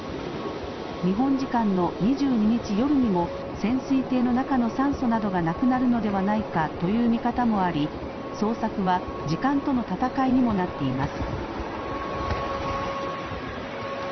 日本時間の２２日夜にも潜水艇の中の酸素などがなくなるのではないかという見方もあり捜索は時間との闘いにもなっています。